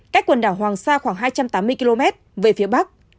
cách quần đảo hoàng sa khoảng hai trăm tám mươi km về phía bắc